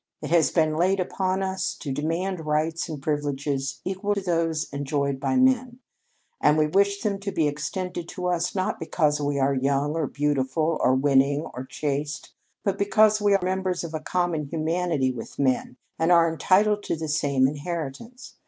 It has been laid upon us to demand rights and privileges equal to those enjoyed by men, and we wish them to be extended to us not because we are young or beautiful or winning or chaste, but because we are members of a common humanity with men and are entitled to the same inheritance.